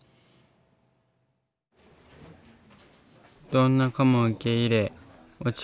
どんな子も受け入れ落ち